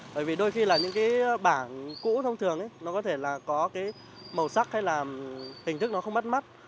bởi vì đôi khi là những bảng cũ thông thường có thể có màu sắc hay là hình thức nó không mắt mắt